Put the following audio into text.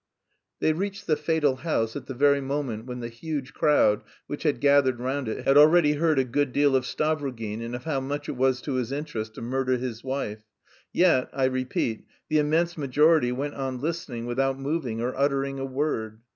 They reached the fatal house at the very moment when the huge crowd, which had gathered round it, had already heard a good deal of Stavrogin, and of how much it was to his interest to murder his wife. Yet, I repeat, the immense majority went on listening without moving or uttering a word.